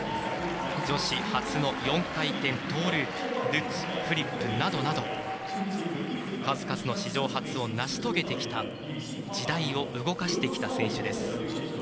女子初の４回転トーループルッツ、フリップなどなど数々の史上初を成し遂げてきた時代を動かしてきた選手です。